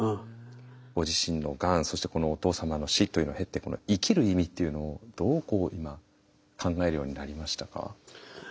ご自身のがんそしてこのお父様の死というのを経て生きる意味っていうのをどうこう今考えるようになりましたか？